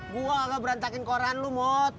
gua ga berantakin koran lu mod